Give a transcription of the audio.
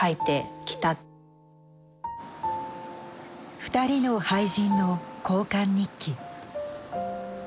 ２人の俳人の交換日記。